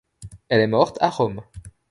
Elle est morte à Rome.